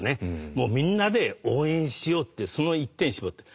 もうみんなで応援しようっていうその一点に絞っている。